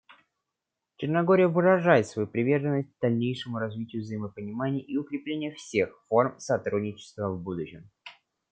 Черногория выражает свою приверженность дальнейшему развитию взаимопонимания и укреплению всех форм сотрудничества в будущем.